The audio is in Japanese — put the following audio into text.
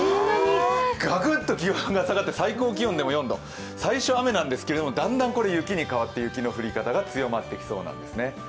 ガクッと気温が下がって最高気温でも４度、最初は雨なんですが、だんだんと雪に変わって雪の降り方が強まってきそうなんですね。